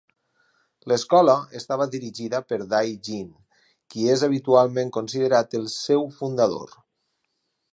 L'escola estava dirigida per Dai Jin, qui és habitualment considerat el seu fundador.